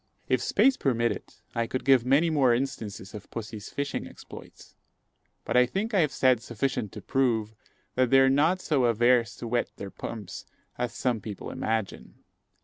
If space permitted, I could give many more instances of pussy's fishing exploits; but I think I have said sufficient to prove, that they are not so averse to wet their pumps as some people imagine.